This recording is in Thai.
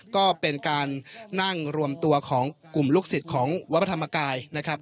ก็เป็นการนั่งรวมตัวของกลุ่มลูกศิษย์ของวัดพระธรรมกายนะครับ